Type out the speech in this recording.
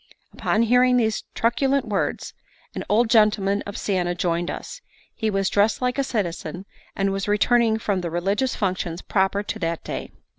Upon hearing these truculent words, an old gentleman of Siena joined us; he was dressed like a citizen, and was returning from the religious functions proper to that day.